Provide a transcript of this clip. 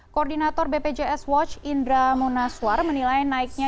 koordinator bpjs watch indra munaswar menilai naiknya